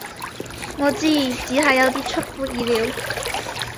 我知，只係有啲出乎意料